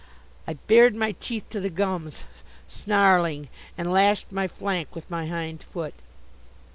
I bared my teeth to the gums, snarling, and lashed my flank with my hind foot.